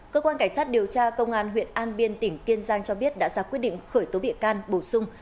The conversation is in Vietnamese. cơ quan cảnh sát điều tra công an huyện an biên tỉnh kiên giang cho biết đã ra quyết định khởi tố bị can bổ sung